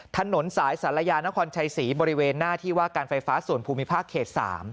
ถนนสายศาลยานครชัยศรีบริเวณหน้าที่ว่าการไฟฟ้าส่วนภูมิภาคเขต๓